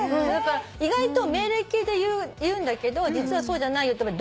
だから意外と命令形で言うんだけど実はそうじゃない。